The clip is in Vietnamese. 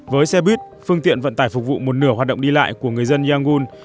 với xe buýt phương tiện vận tải phục vụ một nửa hoạt động đi lại của người dân yangon